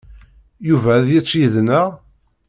Yuba ad yečč yid-neɣ?